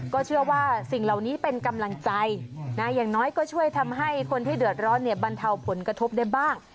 ก็เชื่อว่าสิ่งเหล่านี้เป็นกำลังใจนะอย่างน้อยก็ช่วยทำให้คนที่เดือดร้อนเนี่ยบรรเทาผลกระทบได้บ้าง